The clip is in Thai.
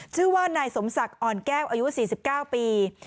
ชื่อว่านายสมศักดิ์อ่อนแก้วอายุ๔๙ปี